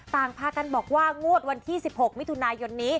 พากันบอกว่างวดวันที่๑๖มิถุนายนนี้